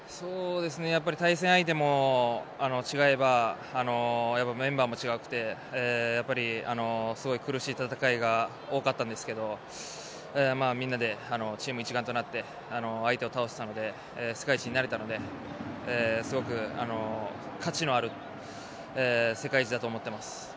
対戦相手も違えばメンバーも違くてやっぱりすごい苦しい戦いが多かったんですけどみんなでチーム一丸となって相手を倒せたので世界一になれたのですごく価値のある世界一だと思ってます。